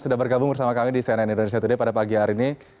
sudah bergabung bersama kami di cnn indonesia today pada pagi hari ini